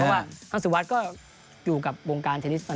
เพราะสุวัสตร์ก็อยู่กับวงการเทนนิศปนา